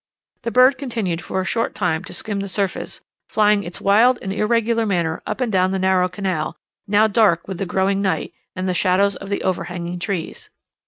The bird continued for a long time to skim the surface, flying in its wild and irregular manner up and down the narrow canal, now dark with the growing night and the shadows of the overhanging trees.